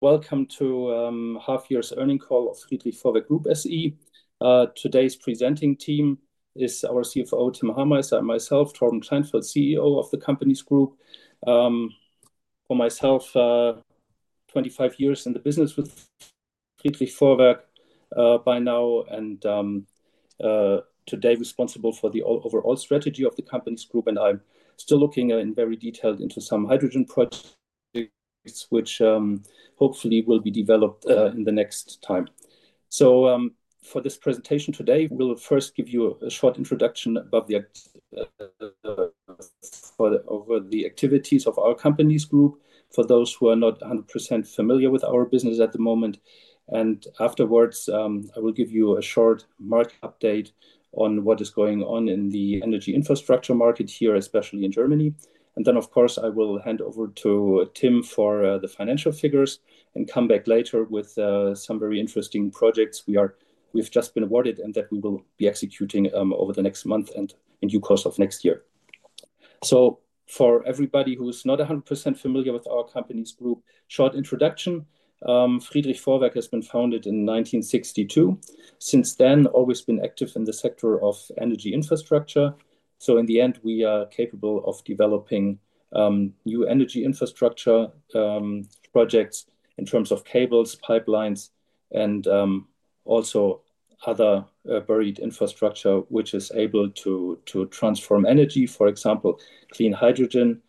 Welcome to Half Year's Earning Call of Friedrich Vorwerk Group SE. Today's presenting team is our CFO, Tim Hameister, and myself, Torben Kleinfeldt, CEO of the company's group. For myself, 25 years in the business with Friedrich by now, and today responsible for the overall strategy of the company's group. I'm still looking in very detail into some hydrogen projects, which hopefully will be developed in the next time. For this presentation today, we'll first give you a short introduction about the activities of our company's group for those who are not 100% familiar with our business at the moment. Afterwards, I will give you a short market update on what is going on in the energy infrastructure market here, especially in Germany. I will hand over to Tim for the financial figures and come back later with some very interesting projects we've just been awarded and that we will be executing over the next month and in due course of next year. For everybody who's not 100% familiar with our company's group, short introduction. Friedrich Vorwerk has been founded in 1962. Since then, always been active in the sector of energy infrastructure. In the end, we are capable of developing new energy infrastructure projects in terms of cables, pipelines, and also other buried infrastructure, which is able to transform energy, for example, clean hydrogen.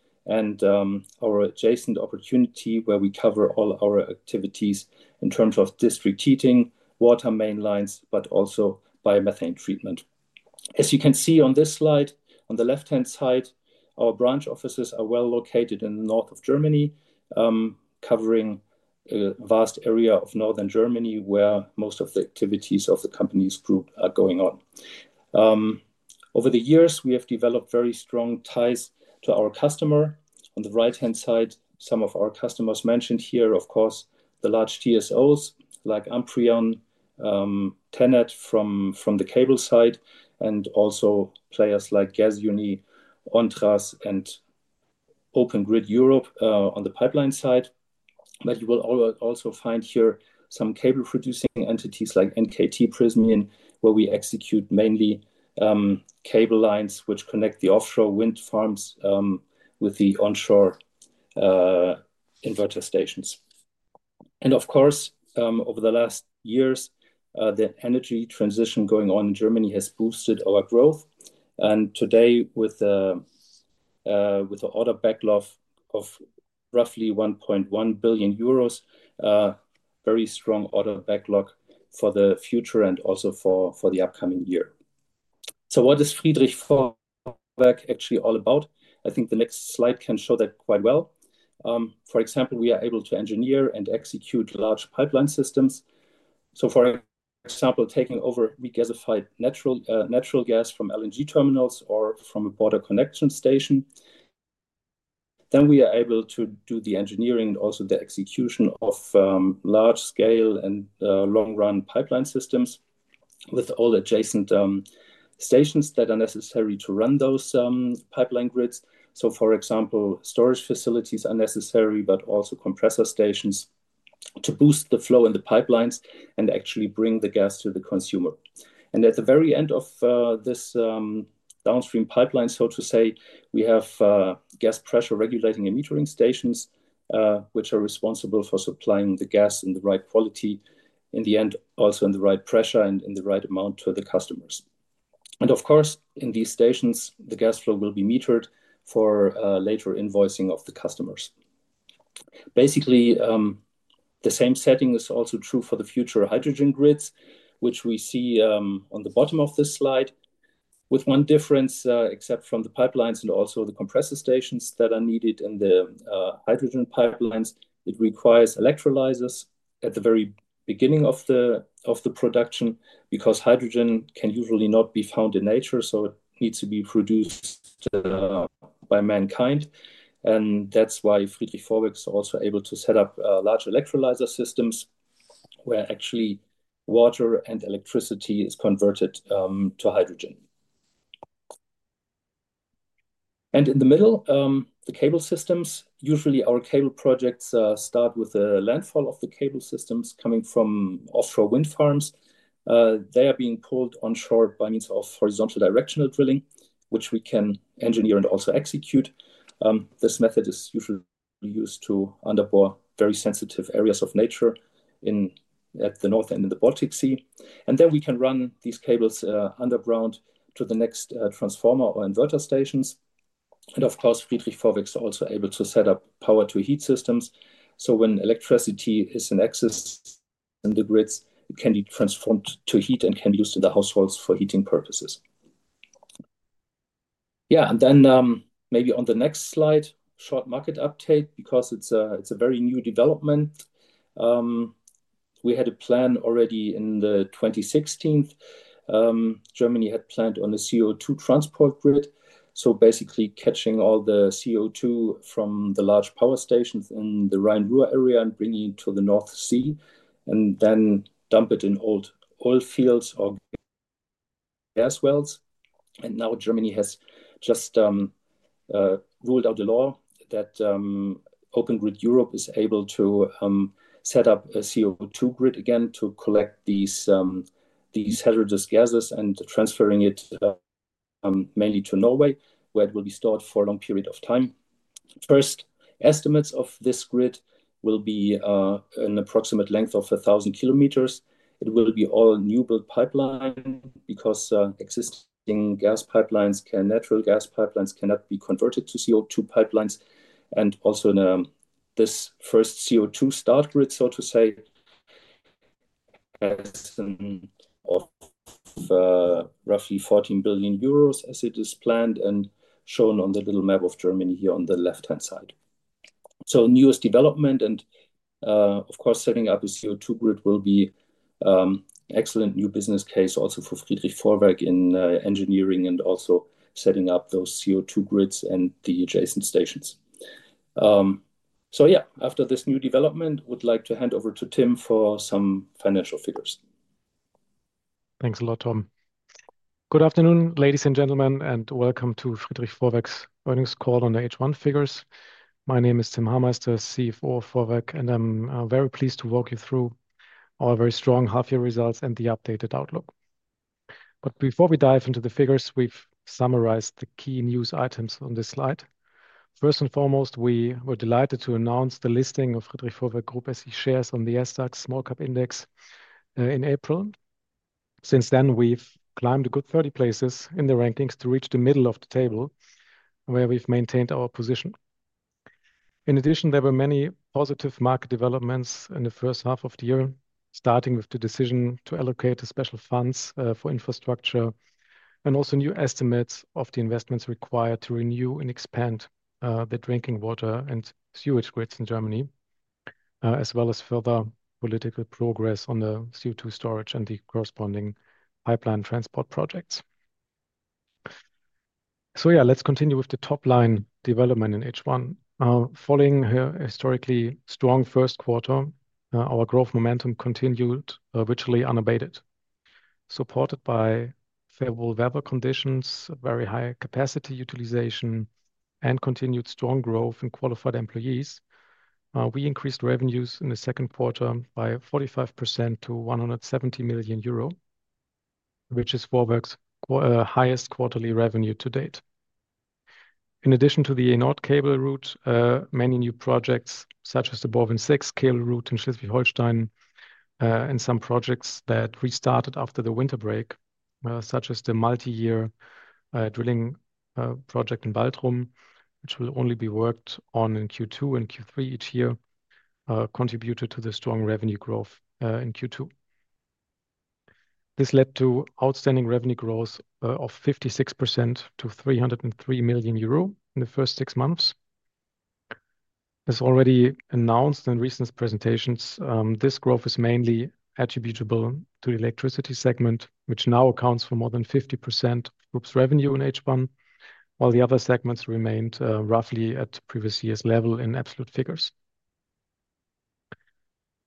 Our adjacent opportunity where we cover all our activities in terms of district heating, water mainlines, but also biomethane treatment. As you can see on this slide, on the left-hand side, our branch offices are well located in the north of Germany, covering a vast area of northern Germany where most of the activities of the company's group are going on. Over the years, we have developed very strong ties to our customer. On the right-hand side, some of our customers mentioned here, of course, the large TSOs like Amprion, TenneT from the cable side, and also players like Gasunie Deutschland, Ontras, and Open Grid Europe on the pipeline side. You will also find here some cable producing entities like NKT Prismian, where we execute mainly cable lines which connect the offshore wind farms with the onshore inverter stations. Over the last years, the energy transition going on in Germany has boosted our growth. Today, with an order backlog of roughly €1.1 billion, a very strong order backlog for the future and also for the upcoming year. What is Friedrich Vorwerk actually all about? I think the next slide can show that quite well. For example, we are able to engineer and execute large pipeline systems. For example, taking over regasified natural gas from LNG terminals or from a border connection station. We are able to do the engineering and also the execution of large-scale and long-run pipeline systems with all adjacent stations that are necessary to run those pipeline grids. For example, storage facilities are necessary, but also compressor stations to boost the flow in the pipelines and actually bring the gas to the consumer. At the very end of this downstream pipeline, so to say, we have gas pressure regulating and metering stations, which are responsible for supplying the gas in the right quality, in the end, also in the right pressure and in the right amount to the customers. Of course, in these stations, the gas flow will be metered for later invoicing of the customers. Basically, the same setting is also true for the future hydrogen grids, which we see on the bottom of this slide, with one difference, except from the pipelines and also the compressor stations that are needed in the hydrogen pipelines. It requires electrolysis at the very beginning of the production because hydrogen can usually not be found in nature, so it needs to be produced by mankind. That's why Friedrich Vorwerk is also able to set up large electrolyser systems where actually water and electricity is converted to hydrogen. In the middle, the cable systems, usually our cable projects start with the landfall of the cable systems coming from offshore wind farms. They are being pulled onshore by means of horizontal directional drilling, which we can engineer and also execute. This method is usually used to underbore very sensitive areas of nature at the north end in the Baltic Sea. We can run these cables underground to the next transformer or inverter stations. Of course, Friedrich Vorwerk is also able to set up power-to-heat systems. When electricity is in excess, the grids can be transformed to heat and can be used in the households for heating purposes. Maybe on the next slide, short market update because it's a very new development. We had a plan already in 2016. Germany had planned on the CO2 transport grid. Basically catching all the CO2 from the large power stations in the Rhine-Ruhr area and bringing it to the North Sea and then dump it in old oil fields or gas wells. Germany has just ruled out the law that Open Grid Europe is able to set up a CO2 grid again to collect these hazardous gases and transferring it mainly to Norway, where it will be stored for a long period of time. First estimates of this grid will be an approximate length of 1,000 km. It will be all new-built pipeline because existing natural gas pipelines cannot be converted to CO2 pipelines. In this first CO2 start grid, so to say, as of roughly €14 billion as it is planned and shown on the little map of Germany here on the left-hand side. Newest development and of course setting up a CO2 grid will be an excellent new business case also for Friedrich Vorwerk in engineering and also setting up those CO2 grids and the adjacent stations. After this new development, I would like to hand over to Tim for some financial figures. Thanks a lot, Tom. Good afternoon, ladies and gentlemen, and welcome to Friedrich Vorwerk's Earnings Call on the H1 figures. My name is Tim Hameister, CFO of Vorwerk, and I'm very pleased to walk you through our very strong half-year results and the updated outlook. Before we dive into the figures, we've summarized the key news items on this slide. First and foremost, we were delighted to announce the listing of Friedrich Vorwerk Group SE shares on the SDAX Small Cap Index in April. Since then, we've climbed a good 30 places in the rankings to reach the middle of the table where we've maintained our position. In addition, there were many positive market developments in the first half of the year, starting with the decision to allocate the special funds for infrastructure and also new estimates of the investments required to renew and expand the drinking water and sewage grids in Germany, as well as further political progress on the CO2 storage and the corresponding pipeline transport projects. Let's continue with the top line development in H1. Following a historically strong first quarter, our growth momentum continued virtually unabated. Supported by favorable weather conditions, very high capacity utilization, and continued strong growth in qualified employees, we increased revenues in the second quarter by 45% to €170 million, which is Vorwerk's highest quarterly revenue to date. In addition to the Nord Cabel route, many new projects such as the Bourbon six scale route in Schleswig-Holstein and some projects that restarted after the winter break, such as the multi-year drilling project in Baltrum, which will only be worked on in Q2 and Q3 each year, contributed to the strong revenue growth in Q2. This led to outstanding revenue growth of 56% to €303 million in the first six months. As already announced in recent presentations, this growth is mainly attributable to the electricity segment, which now accounts for more than 50% of the group's revenue in H1, while the other segments remained roughly at the previous year's level in absolute figures.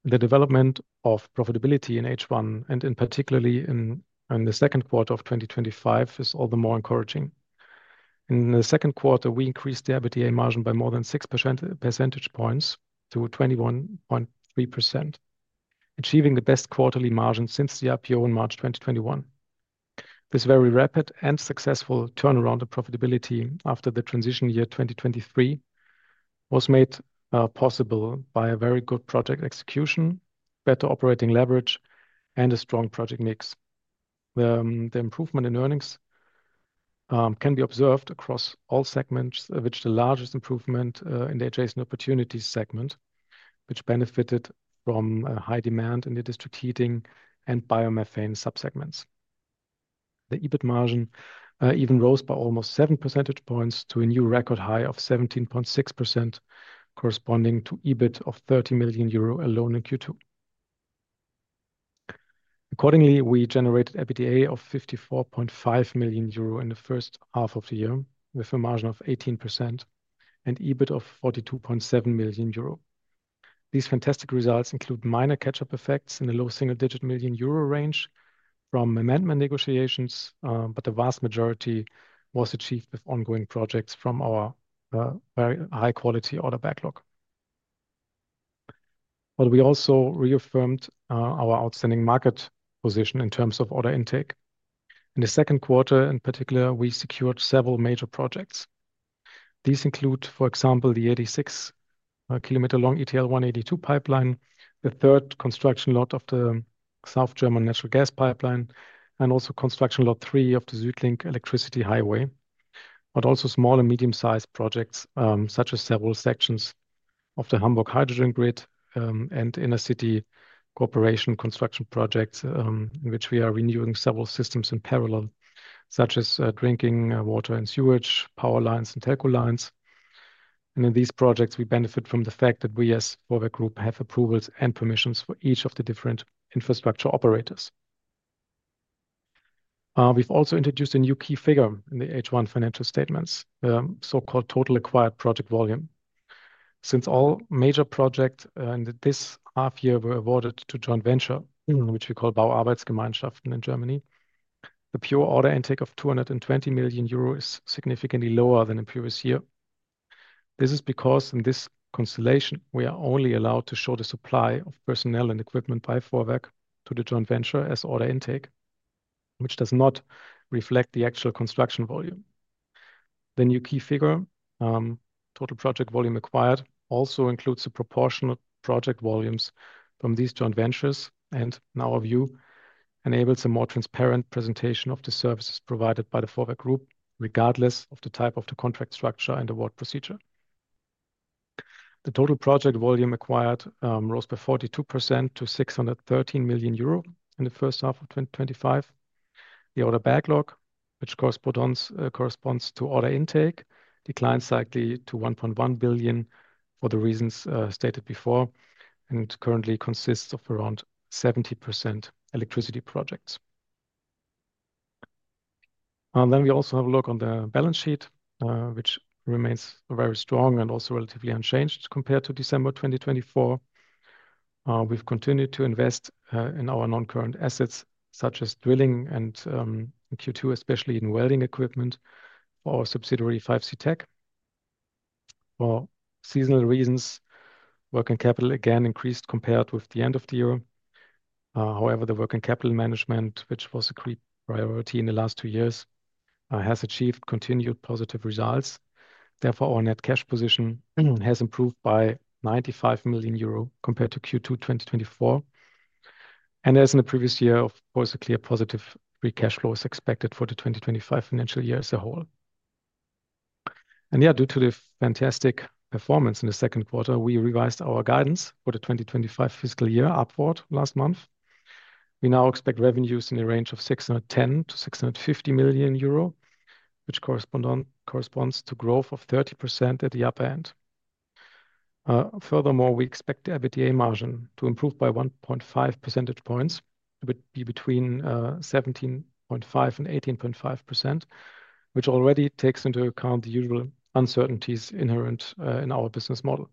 The development of profitability in H1 and in particular in the second quarter of 2025 is all the more encouraging. In the second quarter, we increased the EBITDA margin by more than 6 percentage points to 21.3%, achieving the best quarterly margin since the IPO in March 2021. This very rapid and successful turnaround of profitability after the transition year 2023 was made possible by very good project execution, better operating leverage, and a strong project mix. The improvement in earnings can be observed across all segments, with the largest improvement in the adjacent opportunity segment, which benefited from high demand in the district heating and biomethane subsegments. The EBIT margin even rose by almost 7 percentage points to a new record high of 17.6%, corresponding to EBIT of €30 million alone in Q2. Accordingly, we generated EBITDA of €54.5 million in the first half of the year with a margin of 18% and EBIT of €42.7 million. These fantastic results include minor catch-up effects in the low single-digit million euro range from amendment negotiations, but the vast majority was achieved with ongoing projects from our very high-quality order backlog. We also reaffirmed our outstanding market position in terms of order intake. In the second quarter, in particular, we secured several major projects. These include, for example, the 86-km-long ETL 182 pipeline, the third construction lot of the South German natural gas pipeline, and also construction lot three of the Suedlink electricity highway, as well as small and medium-sized projects such as several sections of the Hamburg hydrogen grid and inner-city cooperation construction projects in which we are renewing several systems in parallel, such as drinking water and sewage, power lines, and telco lines. In these projects, we benefit from the fact that we as Friedrich Vorwerk have approvals and permissions for each of the different infrastructure operators. We've also introduced a new key figure in the H1 financial statements, the so-called total acquired project volume. Since all major projects in this half-year were awarded to joint venture, which we call Bau Arbeitsgemeinschaft in Germany, the pure order intake of €220 million is significantly lower than in the previous year. This is because in this constellation, we are only allowed to show the supply of personnel and equipment by Vorwerk to the joint venture as order intake, which does not reflect the actual construction volume. The new key figure, total project volume acquired, also includes the proportional project volumes from these joint ventures and, in our view, enables a more transparent presentation of the services provided by Friedrich Group regardless of the type of the contract structure and award procedure. The total project volume acquired rose by 42% to €613 million in the first half of 2025. The order backlog, which corresponds to order intake, declined slightly to €1.1 billion for the reasons stated before and currently consists of around 70% electricity projects. We also have a look on the balance sheet, which remains very strong and also relatively unchanged compared to December 2024. We've continued to invest in our non-current assets such as drilling and in Q2, especially in welding equipment or subsidiary 5C tech. For seasonal reasons, working capital again increased compared with the end of the year. However, the working capital management, which was a great priority in the last two years, has achieved continued positive results. Therefore, our net cash position has improved by €95 million compared to Q2 2024. As in the previous year, of course, a clear positive free cash flow is expected for the 2025 financial year as a whole. Due to the fantastic performance in the second quarter, we revised our guidance for the 2025 fiscal year upward last month. We now expect revenues in the range of €610 million-€650 million, which corresponds to growth of 30% at the upper end. Furthermore, we expect the EBITDA margin to improve by 1.5 percentage points. It would be between 17.5% and 18.5%, which already takes into account the usual uncertainties inherent in our business model.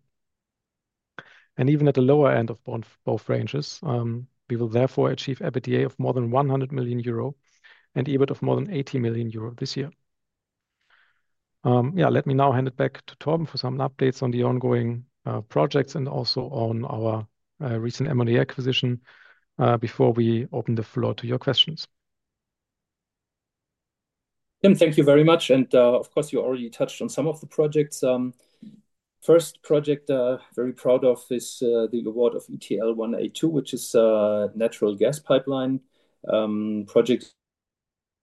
Even at the lower end of both ranges, we will therefore achieve EBITDA of more than €100 million and EBIT of more than €80 million this year. Let me now hand it back to Torb for some updates on the ongoing projects and also on our recent M&A acquisition before we open the floor to your questions. Tim, thank you very much. You already touched on some of the projects. First project I'm very proud of is the award of ETL 182, which is a natural gas pipeline. The project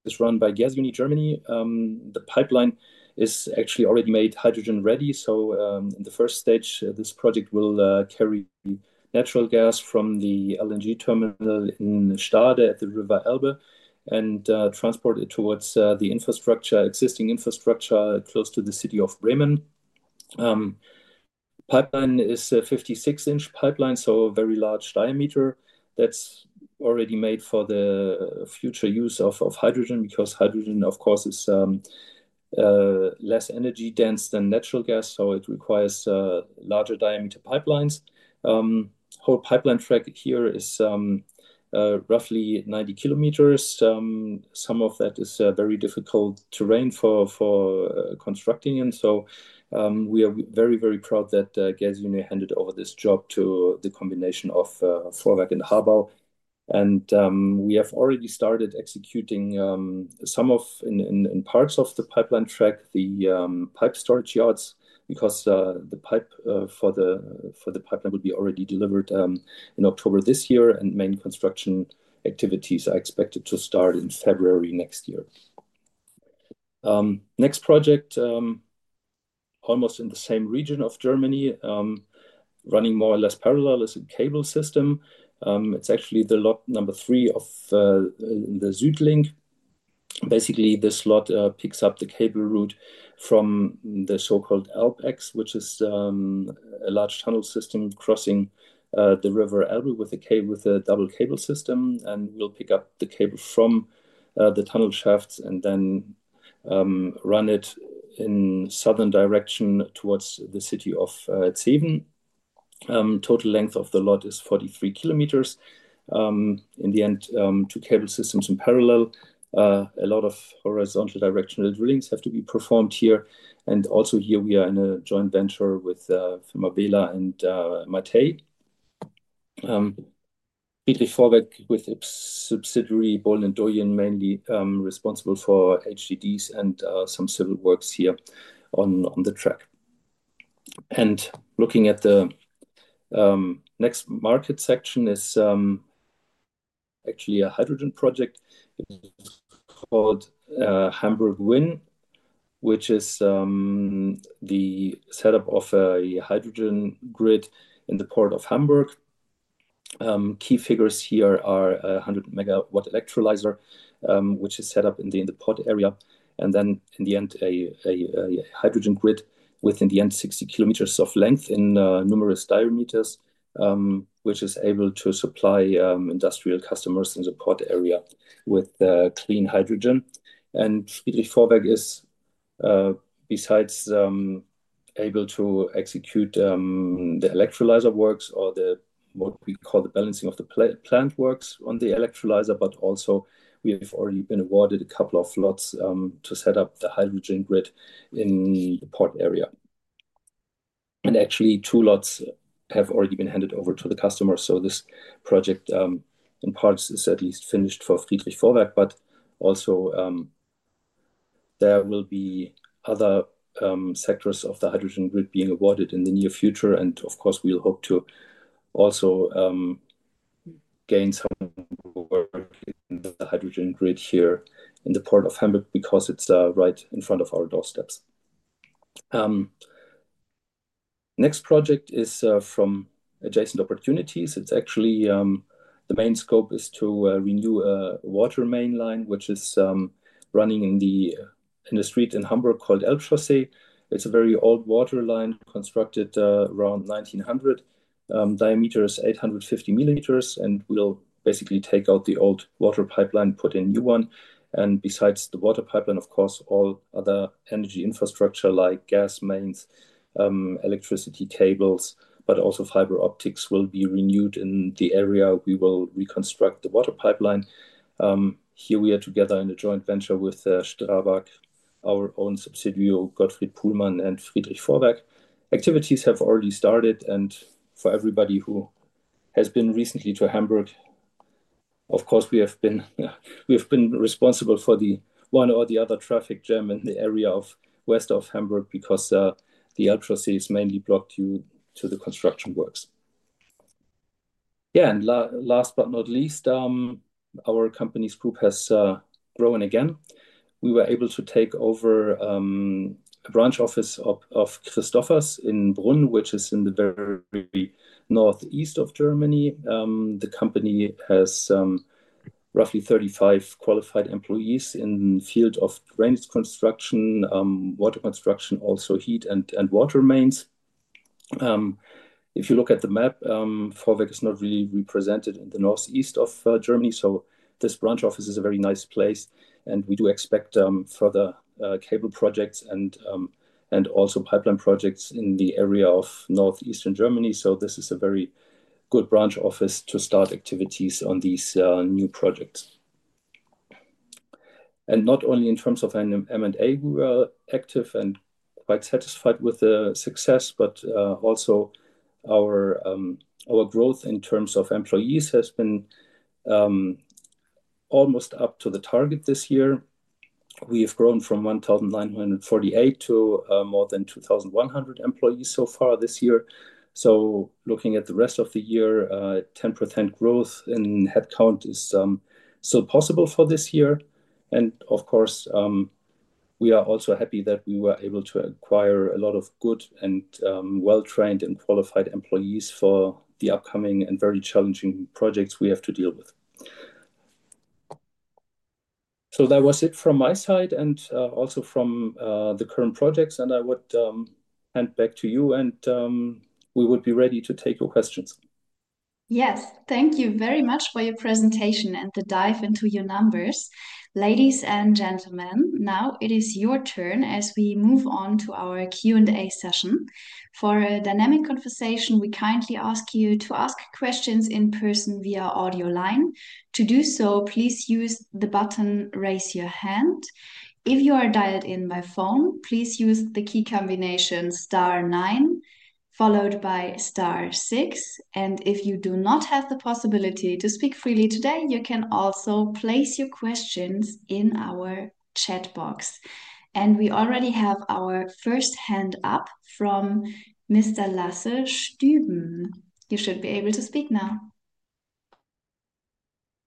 is run by Gasunie Deutschland. The pipeline is actually already made hydrogen-ready. In the first stage, this project will carry natural gas from the LNG terminal in Stade at the River Elbe and transport it towards the existing infrastructure close to the city of Bremen. The pipeline is a 56-inch pipeline, so a very large diameter that's already made for the future use of hydrogen because hydrogen, of course, is less energy dense than natural gas, so it requires larger diameter pipelines. The whole pipeline track here is roughly 90 km. Some of that is very difficult terrain for constructing in. We are very, very proud that Gasunie handed over this job to the combination of Vorwerk and Harbaugh. We have already started executing some of, in parts of the pipeline track, the pipe storage yards because the pipe for the pipeline will be already delivered in October this year, and main construction activities are expected to start in February next year. Next project, almost in the same region of Germany, running more or less parallel, is a cable system. It's actually the lot number three in the SuedLink. Basically, this lot picks up the cable route from the so-called ElbeX, which is a large tunnel system crossing the River Elbe with a double cable system, and will pick up the cable from the tunnel shafts and then run it in the southern direction towards the city of Zeven. Total length of the lot is 43 km. In the end, two cable systems in parallel, a lot of horizontal directional drillings have to be performed here. Here, we are in a joint venture with the company Bela and Matthäi. Friedrich Vorwerk with subsidiary Bohlen & Doyen mainly responsible for HDDs and some civil works here on the track. Looking at the next market section is actually a hydrogen project called Hamburg Wind, which is the setup of a hydrogen grid in the port of Hamburg. Key figures here are a 100 MW electrolyser, which is set up in the port area, and then in the end, a hydrogen grid with, in the end, 60 km of length in numerous diameters, which is able to supply industrial customers in the port area with clean hydrogen. Friedrich Vorwerk is, besides able to execute the electrolyser works or what we call the balancing of the plant works on the electrolyser, also already awarded a couple of lots to set up the hydrogen grid in the port area. Actually, two lots have already been handed over to the customer. This project, in part, is certainly finished for Friedrich Vorwerk, but there will be other sectors of the hydrogen grid being awarded in the near future. Of course, we'll hope to also gain some work in the hydrogen grid here in the port of Hamburg because it's right in front of our doorsteps. The next project is from adjacent opportunities. The main scope is to renew a water mainline, which is running in the street in Hamburg called Elbchaussee. It's a very old water line constructed around 1900, diameter is 850 mm, and we'll basically take out the old water pipeline and put in a new one. Besides the water pipeline, all other energy infrastructure like gas mains, electricity cables, and fiber optics will be renewed in the area. We will reconstruct the water pipeline. Here, we are together in a joint venture with STRABAG, our own subsidiary Gottfried Pullmann, and Friedrich Vorwerk. Activities have already started, and for everybody who has been recently to Hamburg, we have been responsible for the one or the other traffic jam in the area west of Hamburg because the Elbchaussee is mainly blocked due to the construction works. Last but not least, our company's group has grown again. We were able to take over the branch office of Christophers in Brunn, which is in the very northeast of Germany. The company has roughly 35 qualified employees in the field of drainage construction, water construction, and also heat and water mains. If you look at the map, Vorwerk is not really represented in the northeast of Germany. This branch office is a very nice place, and we do expect further cable projects and also pipeline projects in the area of northeastern Germany. This is a very good branch office to start activities on these new projects. Not only in terms of M&A were we active and quite satisfied with the success, but also our growth in terms of employees has been almost up to the target this year. We have grown from 1,948 to more than 2,100 employees so far this year. Looking at the rest of the year, 10% growth in headcount is still possible for this year. Of course, we are also happy that we were able to acquire a lot of good and well-trained and qualified employees for the upcoming and very challenging projects we have to deal with. That was it from my side and also from the current projects. I would hand back to you, and we would be ready to take your questions. Yes, thank you very much for your presentation and the dive into your numbers. Ladies and gentlemen, now it is your turn as we move on to our Q&A session. For a dynamic conversation, we kindly ask you to ask questions in person via audio line. To do so, please use the button raise your hand. If you are dialed in by phone, please use the key combination Star, nine followed by Star, six. If you do not have the possibility to speak freely today, you can also place your questions in our chat box. We already have our first hand up from Mr. Lasse Stüben. You should be able to speak now.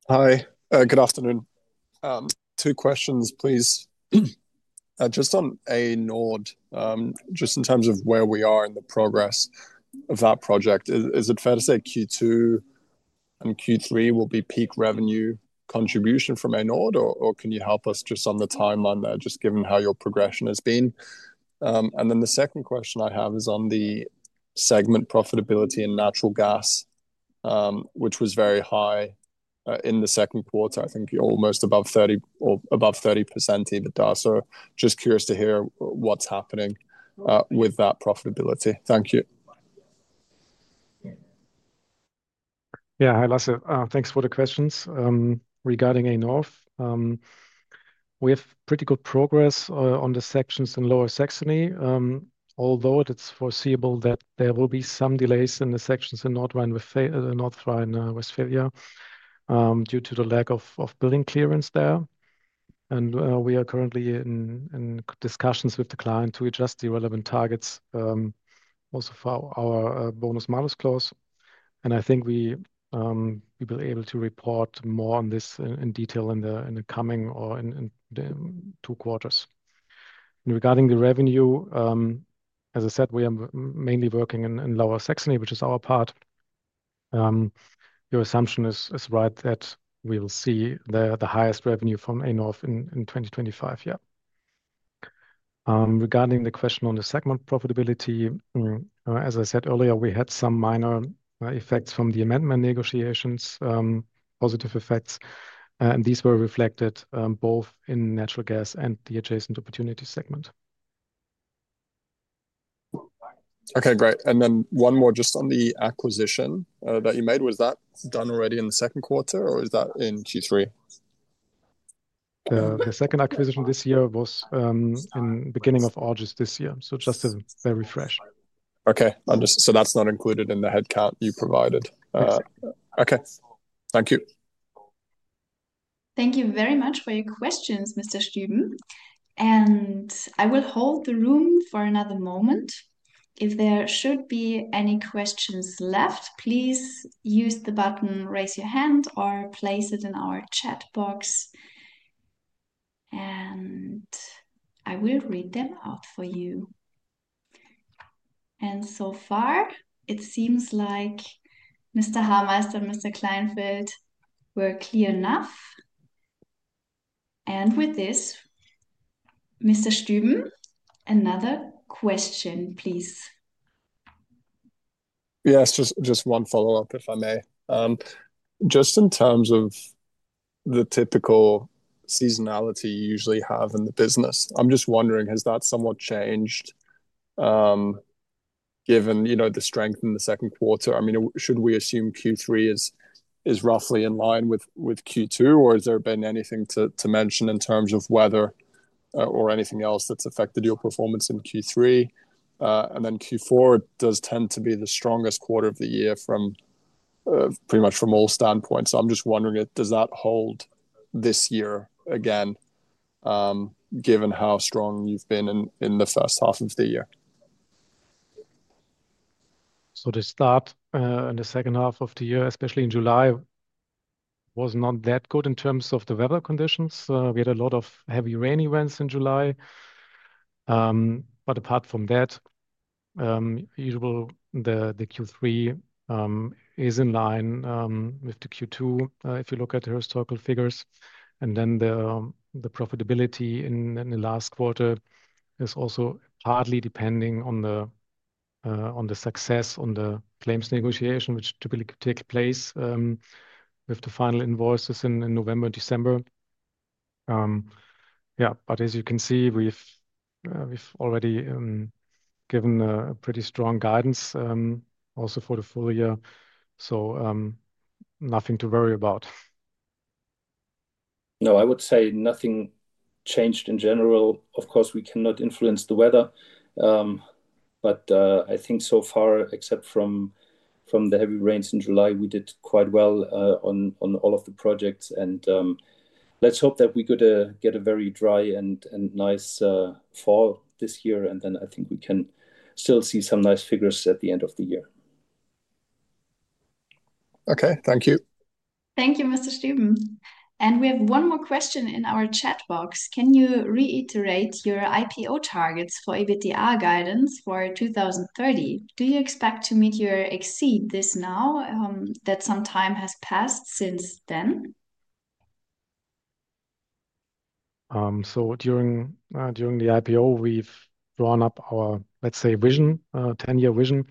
Hi, good afternoon. Two questions, please. Just on A-Nord, just in terms of where we are in the progress of that project, is it fair to say Q2 and Q3 will be peak revenue contribution from A-Nord, or can you help us just on the timeline there, just given how your progression has been? The second question I have is on the segment profitability in natural gas, which was very high in the second quarter. I think you're almost above 30% EBITDA. Just curious to hear what's happening with that profitability. Thank you. Yeah, hi Lasse. Thanks for the questions. Regarding A-Nord, we have pretty good progress on the sections in Lower Saxony, although it's foreseeable that there will be some delays in the sections in North Rhine-Westphalia due to the lack of building clearance there. We are currently in discussions with the client to adjust the relevant targets also for our bonus-malus clause. I think we will be able to report more on this in detail in the coming or in the two quarters. Regarding the revenue, as I said, we are mainly working in Lower Saxony, which is our part. Your assumption is right that we'll see the highest revenue from A-Nord in 2025. Regarding the question on the segment profitability, as I said earlier, we had some minor effects from the amendment negotiations, positive effects. These were reflected both in natural gas and the adjacent opportunity segment. Okay, great. One more just on the acquisition that you made. Was that done already in the second quarter, or is that in Q3? The second acquisition this year was in the beginning of August this year, so just very fresh. Okay. That's not included in the headcount you provided. Okay. Thank you. Thank you very much for your questions, Mr. Stüben. I will hold the room for another moment. If there should be any questions left, please use the button to raise your hand or place it in our chat box. I will read them out for you. So far, it seems like Mr. Hameister and Mr. Kleinfeldt were clear enough. With this, Mr. Stüben, another question, please. Yes, just one follow-up, if I may. Just in terms of the typical seasonality you usually have in the business, I'm just wondering, has that somewhat changed given the strength in the second quarter? I'm just wondering, should we assume Q3 is roughly in line with Q2, or has there been anything to mention in terms of weather or anything else that's affected your performance in Q3? Q4 does tend to be the strongest quarter of the year from pretty much all standpoints. I'm just wondering, does that hold this year again, given how strong you've been in the first half of the year? The start in the second half of the year, especially in July, was not that good in terms of the weather conditions. We had a lot of heavy rainy events in July. Apart from that, usually Q3 is in line with Q2 if you look at the historical figures. The profitability in the last quarter is also partly depending on the success on the claims negotiation, which typically takes place with the final invoices in November and December. As you can see, we've already given a pretty strong guidance also for the full year. Nothing to worry about. No, I would say nothing changed in general. Of course, we cannot influence the weather. I think so far, except from the heavy rains in July, we did quite well on all of the projects. Let's hope that we could get a very dry and nice fall this year. I think we can still see some nice figures at the end of the year. Okay, thank you. Thank you, Mr. Stüben. We have one more question in our chat box. Can you reiterate your IPO targets for EBITDA guidance for 2030? Do you expect to meet or exceed this now that some time has passed since then? During the IPO, we've drawn up our, let's say, vision, 10-year vision.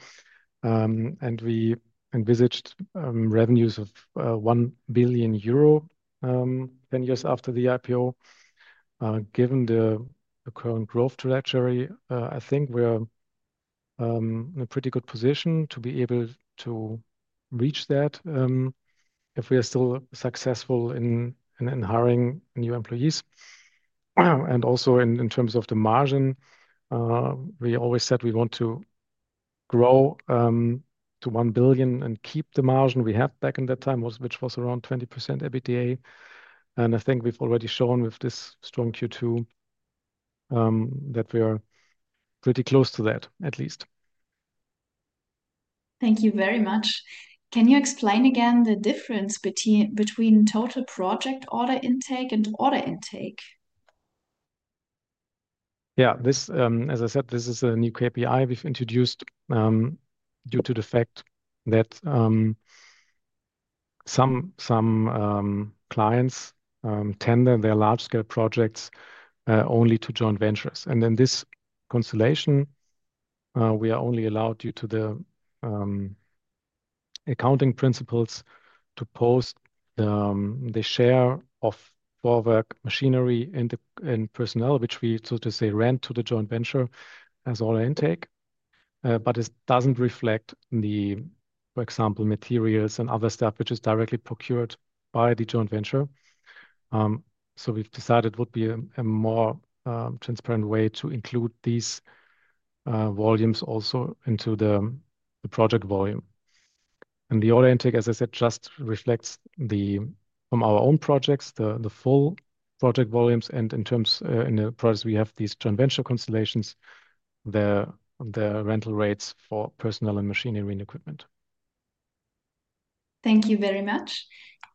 We envisaged revenues of €1 billion 10 years after the IPO. Given the current growth trajectory, I think we're in a pretty good position to be able to reach that if we are still successful in hiring new employees. Also, in terms of the margin, we always said we want to grow to €1 billion and keep the margin we had back in that time, which was around 20% EBITDA. I think we've already shown with this strong Q2 that we are pretty close to that, at least. Thank you very much. Can you explain again the difference between total project order intake and order intake? Yeah, as I said, this is a new KPI we've introduced due to the fact that some clients tend their large-scale projects only to joint ventures. In this constellation, we are only allowed, due to the accounting principles, to post the share of Vorwerk machinery and personnel, which we rent to the joint venture as order intake. It doesn't reflect, for example, materials and other stuff, which is directly procured by the joint venture. We decided it would be a more transparent way to include these volumes also into the project volume. The order intake, as I said, just reflects from our own projects the full project volumes. In terms of the projects we have, these joint venture constellations, the rental rates for personnel and machinery and equipment. Thank you very much.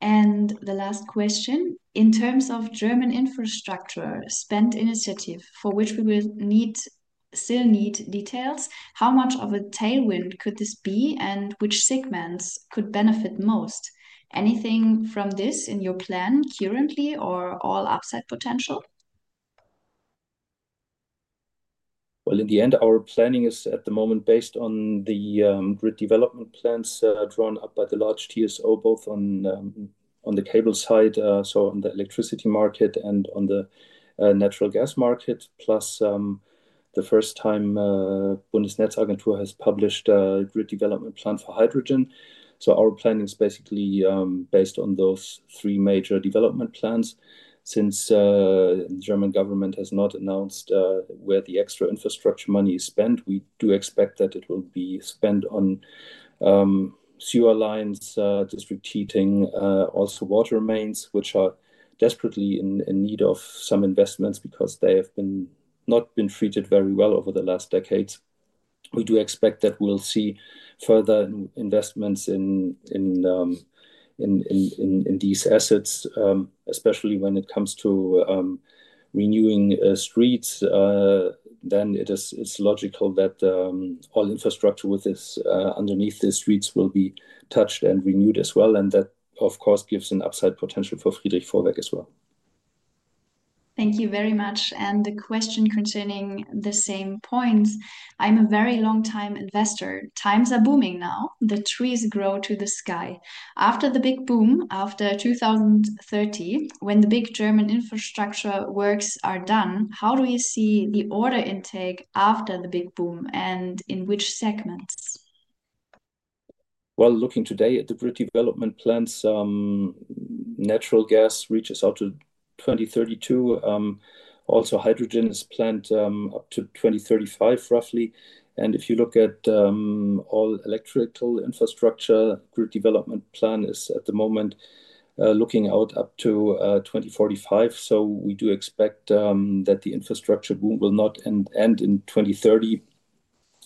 The last question, in terms of German infrastructure spend initiative, for which we will still need details, how much of a tailwind could this be and which segments could benefit most? Anything from this in your plan currently or all upside potential? Our planning is at the moment based on the grid development plans drawn up by the large TSO both on the cable side, so on the electricity market and on the natural gas market, plus the first time Bundesnetzagentur has published a grid development plan for hydrogen. Our plan is basically based on those three major development plans. Since the German government has not announced where the extra infrastructure money is spent, we do expect that it will be spent on sewer lines, district heating, also water mains, which are desperately in need of some investments because they have not been treated very well over the last decades. We do expect that we'll see further investments in these assets, especially when it comes to renewing streets. It is logical that all infrastructure underneath the streets will be touched and renewed as well. That, of course, gives an upside potential for Friedrich Vorwerk as well. Thank you very much. The question concerning the same points. I'm a very long-time investor. Times are booming now. The trees grow to the sky. After the big boom, after 2030, when the big German infrastructure works are done, how do you see the order intake after the big boom and in which segments? Looking today at the grid development plans, natural gas reaches out to 2032. Also, hydrogen is planned up to 2035, roughly. If you look at all electrical infrastructure, the grid development plan is at the moment looking out up to 2045. We do expect that the infrastructure boom will not end in 2030.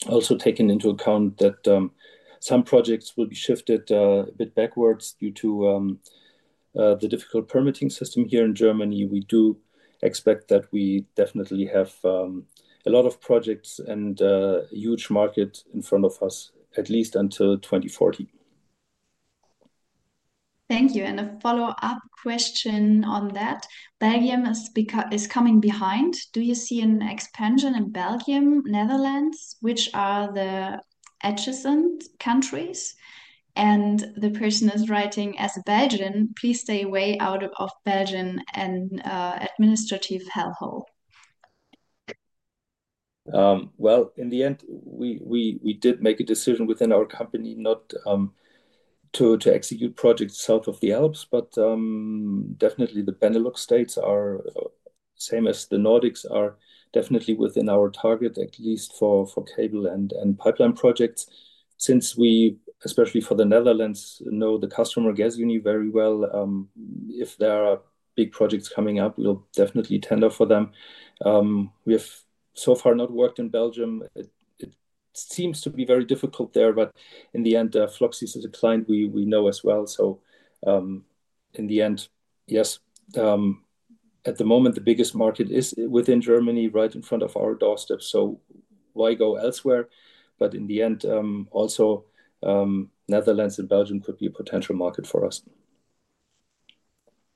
Also, taking into account that some projects will be shifted a bit backwards due to the difficult permitting system here in Germany, we do expect that we definitely have a lot of projects and a huge market in front of us, at least until 2040. Thank you. A follow-up question on that. Belgium is coming behind. Do you see an expansion in Belgium, Netherlands, which are the adjacent countries? The person is writing as a Belgian, please stay way out of Belgian and administrative hellhole. In the end, we did make a decision within our company not to execute projects south of the Alps, but definitely the Benelux states, same as the Nordics, are definitely within our target, at least for cable and pipeline projects. Since we, especially for the Netherlands, know the customer Gasunie very well, if there are big projects coming up, we'll definitely tender for them. We have so far not worked in Belgium. It seems to be very difficult there, but in the end, Fluxys is a client we know as well. At the moment, the biggest market is within Germany, right in front of our doorsteps. Why go elsewhere? In the end, also Netherlands and Belgium could be a potential market for us.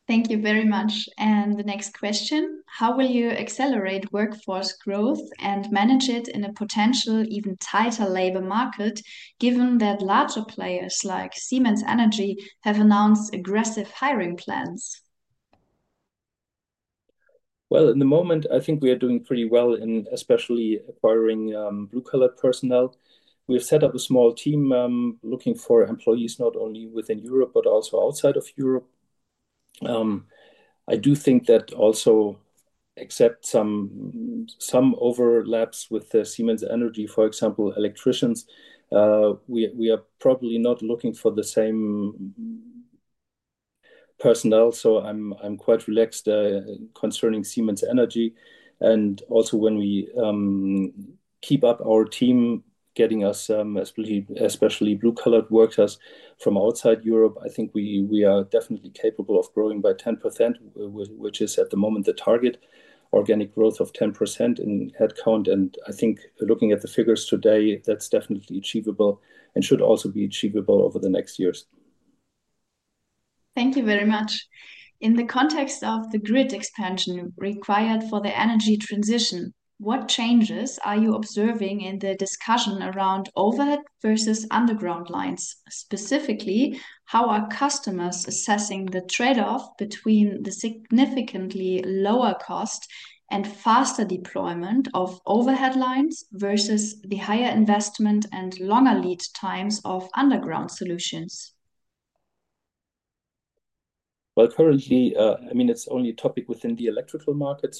Thank you very much. The next question. How will you accelerate workforce growth and manage it in a potential even tighter labor market, given that larger players like Siemens Energy have announced aggressive hiring plans? At the moment, I think we are doing pretty well in especially acquiring blue-collar personnel. We've set up a small team looking for employees not only within Europe, but also outside of Europe. I do think that also, except some overlaps with Siemens Energy, for example, electricians, we are probably not looking for the same personnel. I'm quite relaxed concerning Siemens Energy. Also, when we keep up our team, getting us especially blue-collar workers from outside Europe, I think we are definitely capable of growing by 10%, which is at the moment the target, organic growth of 10% in headcount. I think looking at the figures today, that's definitely achievable and should also be achievable over the next years. Thank you very much. In the context of the grid expansion required for the energy transition, what changes are you observing in the discussion around overhead versus underground lines? Specifically, how are customers assessing the trade-off between the significantly lower cost and faster deployment of overhead lines versus the higher investment and longer lead times of underground solutions? Currently, it's only a topic within the electrical market.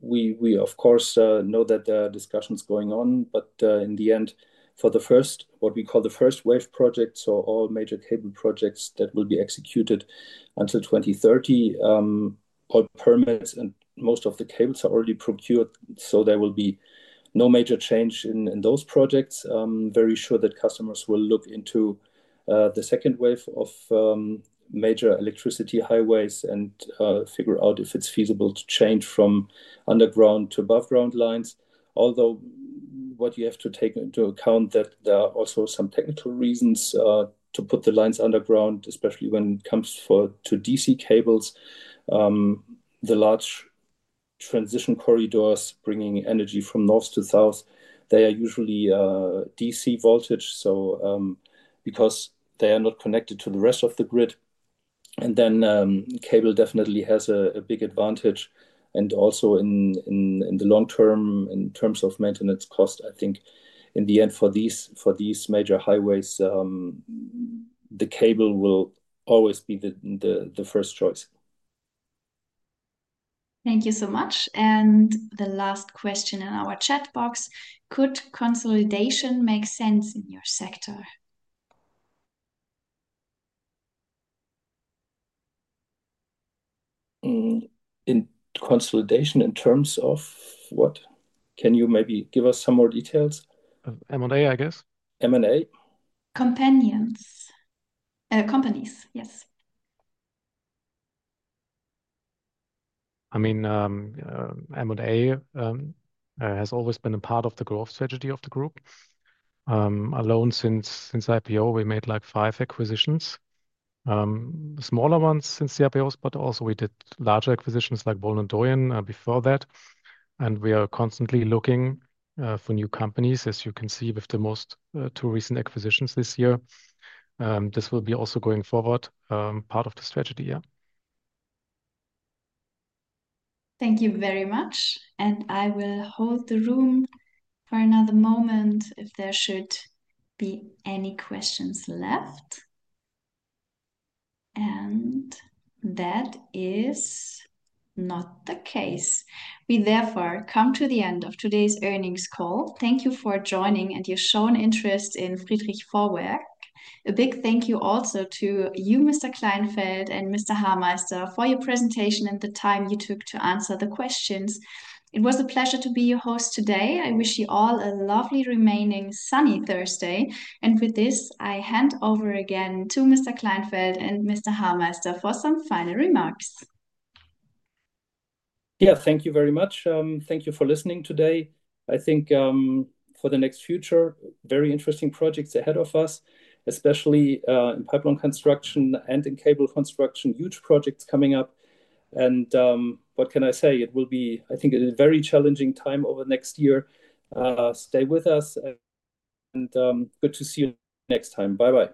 We, of course, know that there are discussions going on. In the end, for the first, what we call the first wave project, all major cable projects that will be executed until 2030, all permits and most of the cables are already procured. There will be no major change in those projects. I'm very sure that customers will look into the second wave of major electricity highways and figure out if it's feasible to change from underground to above-ground lines. Although what you have to take into account is that there are also some technical reasons to put the lines underground, especially when it comes to DC cables. The large transition corridors bringing energy from north to south are usually DC voltage because they are not connected to the rest of the grid. Then cable definitely has a big advantage. Also, in the long-term, in terms of maintenance cost, I think in the end for these major highways, the cable will always be the first choice. Thank you so much. The last question in our chat box: Could consolidation make sense in your sector? In consolidation in terms of what? Can you maybe give us some more details? M&A, I guess. M&A? Companies, yes. I mean, M&A has always been a part of the growth strategy of the group. Alone since IPO, we made like five acquisitions. Smaller ones since the IPO, but also we did larger acquisitions like Bohlen & Doyen before that. We are constantly looking for new companies, as you can see with the most two recent acquisitions this year. This will be also going forward part of the strategy, yeah. Thank you very much. I will hold the room for another moment if there should be any questions left. That is not the case. We therefore come to the end of today's earnings call. Thank you for joining and your shown interest in Friedrich Vorwerk Group. A big thank you also to you, Mr. Kleinfeldt and Mr. Hameister, for your presentation and the time you took to answer the questions. It was a pleasure to be your host today. I wish you all a lovely remaining sunny Thursday. With this, I hand over again to Mr. Kleinfeldt and Mr. Hameister for some final remarks. Thank you very much. Thank you for listening today. I think for the next future, very interesting projects ahead of us, especially in pipeline construction and in cable construction, huge projects coming up. What can I say? It will be, I think, a very challenging time over the next year. Stay with us. Good to see you next time. Bye-bye.